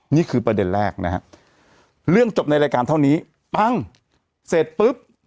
นี่คือประเด็นแรกนะฮะเรื่องจบในรายการเท่านี้ปั้งเสร็จปุ๊บ